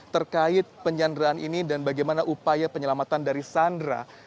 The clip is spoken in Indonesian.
terkait penyandaran ini dan bagaimana upaya penyelamatan dari sandera